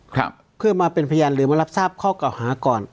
ครับเพื่อมาเป็นพยานหรือมารับทราบข้อเก่าหาก่อน